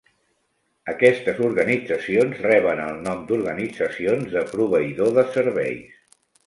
Aquestes organitzacions reben el nom d"organitzacions de proveïdor de serveis.